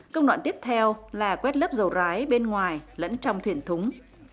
công đoạn tiếp theo là quét lớp dầu rái bên ngoài lẫn trong thuyền thúng